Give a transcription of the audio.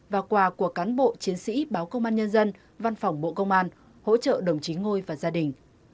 và quà của cán bộ chiến sĩ báo công an nhân dân văn phòng bộ công an hỗ trợ đồng chí ngôi và gia đình